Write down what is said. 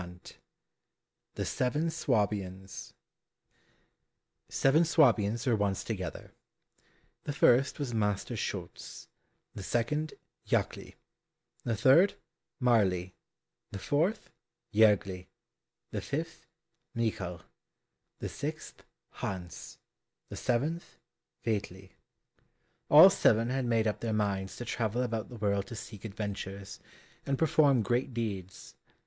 119 The Seven Swabians Seven Swabians were once together. The first was Master Schulz; the second, Jackli; the third, Marli; the fourth, Jergli; the fifth, Michal; the sixth, Hans; the seventh, Veitli: all seven had made up their minds to travel about the world to seek adventures, and perform great deeds.